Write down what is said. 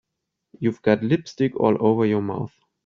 You've got lipstick all over your mouth.